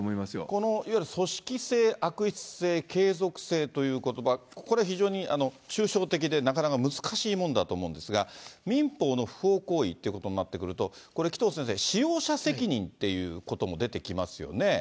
このいわゆる組織性、悪質性、継続性ということば、これ、非常に抽象的で、なかなか難しいものだと思うんですが、民法の不法行為ってことになってくると、これ、紀藤先生、使用者責任っていうことも出てますよね。